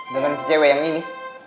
dengan cewek yang ini